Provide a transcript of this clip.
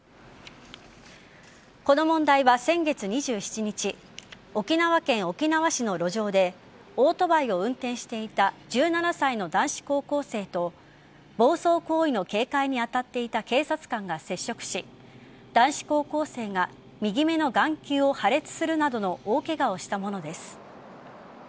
この問題は先月２７日沖縄県沖縄市の路上でオートバイを運転していた１７歳の男子高校生と暴走行為の警戒にあたっていた警察官が接触し男子高校生が右目の眼球を破裂するなどの大ケガをしたものです。